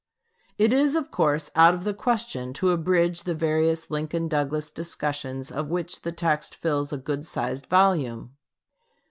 It is, of course, out of the question to abridge the various Lincoln Douglas discussions of which the text fills a good sized volume.